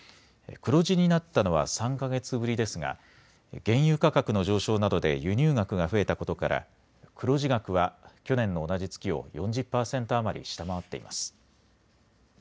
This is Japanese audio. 黒字になったのは３か月ぶりですが原油価格の上昇などで輸入額が増えたことから黒字額は去年の同じ月を４０％余り下回っています。